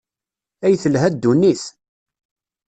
Ay telha ddunit!